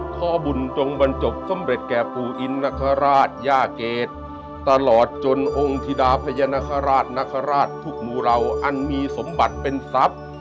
ข้อบุญจงบรรจบสำเร็จแก่ปู่อินนคราชย่าเกรดตลอดจนองค์ธิดาพญานคราชนคราชทุกหมู่เหล่าอันมีสมบัติเป็นทรัพย์